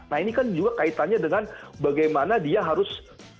nah ini kan juga kaitannya dengan bagaimana dia harus